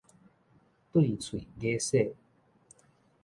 對喙㤉洗